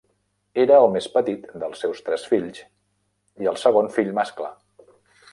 Era el més petit dels seus tres fills i el segon fill mascle.